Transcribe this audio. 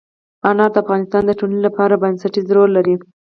انار د افغانستان د ټولنې لپاره بنسټيز رول لري.